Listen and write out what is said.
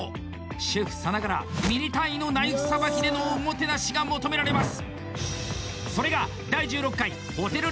シェフさながらミリ単位のナイフさばきでのおもてなしが求められます。